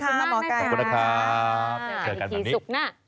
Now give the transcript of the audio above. ขอบคุณค่ะขอบคุณมากนะครับขอบคุณนะครับเจอกันฝันนี้อีกกี่ศุกร์หน้า